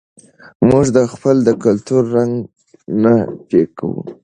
موږ د خپل کلتور رنګ نه پیکه کوو.